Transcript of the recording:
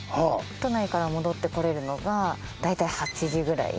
都内から戻ってこれるのが大体８時くらい。